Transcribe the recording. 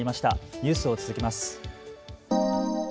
ニュースを続けます。